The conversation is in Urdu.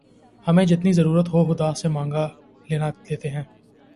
ہمیں جتنی ضرورت ہو خدا سے مانگ لیتے ہیں